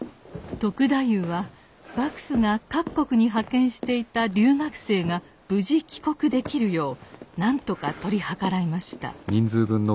篤太夫は幕府が各国に派遣していた留学生が無事帰国できるようなんとか取り計らいました。